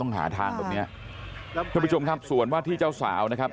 หาทางแบบเนี้ยท่านผู้ชมครับส่วนว่าที่เจ้าสาวนะครับ